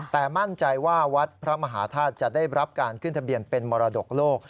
แต่มั่นใจว่าวัดพระมหาธาตุจะได้รับการขึ้นทะเบียนเป็นมรดกโลก